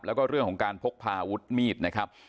แล้วก็เรื่องของการพกพาอาวุธมีดนะครับ